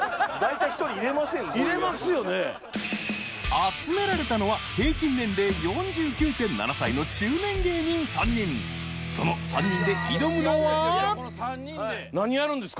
集められたのは平均年齢４９．７歳の中年芸人３人何やるんですか？